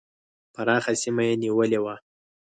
پراخه سیمه یې نیولې وه.